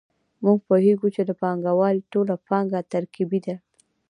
موږ پوهېږو چې د پانګوال ټوله پانګه ترکیبي ده